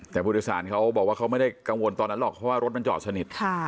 แต่ผู้โดยสารเขาบอกว่าเขาไม่ได้กังวลตอนนั้นหรอกเพราะว่ารถมันจอดสนิท